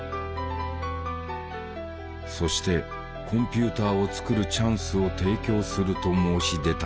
そしてコンピューターを作るチャンスを提供すると申し出たのだ。